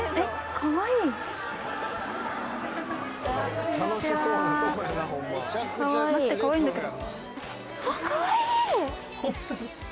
かわいいんだけど。